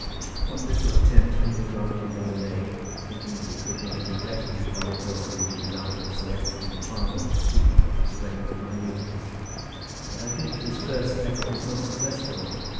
What little attempt Henry Grantly then made, thinking that he could not do better than follow closely the example of so excellent a father, need not be explained with minuteness. But I think that his first effort was not successful.